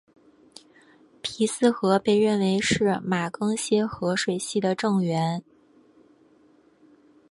皮斯河被认为是马更些河水系的正源。